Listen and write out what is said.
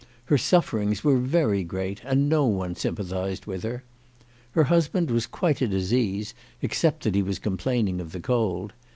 Her sufferings were very great, and no one sympathised with her. Her husband was quite at his ease, except that he was complaining of the cold.